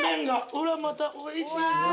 ほらまたおいしそう。